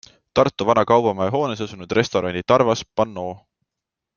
Tartu vana kaubamaja hoones asunud restorani Tarvas pannoo.